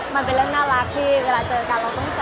มันเป็นเรื่องน่ารักที่เวลาเจอกันเราต้องแซวอะไรอย่างเงี้ย